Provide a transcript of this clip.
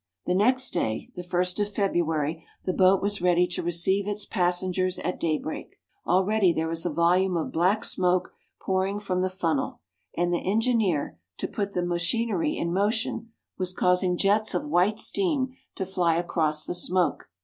The next day, the 1st of February, the boat was ready to receive its passengers at daybreak. Already there was a volume of black smoke pouring from the funnel, and the engineer, to put the machinery in motion, was causing jets 30 meridiana; the adventures of of white steam to fly across the smoke.